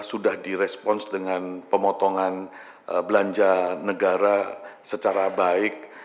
sudah direspons dengan pemotongan belanja negara secara baik